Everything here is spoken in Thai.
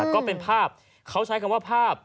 ก็เป็นภาพเขาใช้คำว่าภาพ